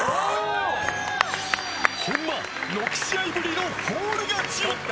本間６試合ぶりのフォール勝ち。